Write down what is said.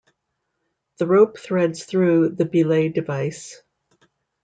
The rope threads through the belay device.